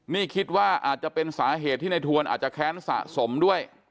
นี่คิดว่าอาจจะเป็นสาเหตุที่ในทวนอาจจะแค้นสะสมด้วย